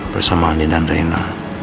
bersama andi dan reina